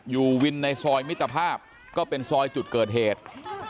อยู่วินในซอยมิตรภาพก็เป็นซอยจุดเกิดเหตุ